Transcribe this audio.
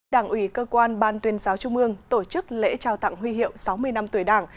đảng ủy cơ quan ban tuyên giáo trung ương tổ chức lễ trao tặng huy hiệu sáu mươi năm tuổi đảng